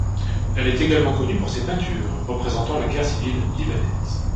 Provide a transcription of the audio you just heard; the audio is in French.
Elle est également connue pour ses peintures représentant la guerre civile libanaise.